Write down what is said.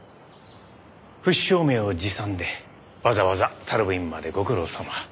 父子証明を持参でわざわざサルウィンまでご苦労さま。